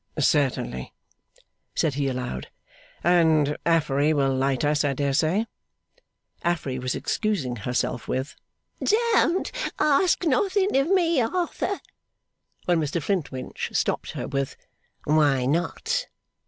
'Certainly,' said he, aloud; 'and Affery will light us, I dare say.' Affery was excusing herself with 'Don't ask nothing of me, Arthur!' when Mr Flintwinch stopped her with 'Why not?